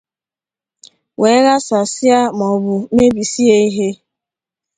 wee ghasasịa maọbụ mebisie ihe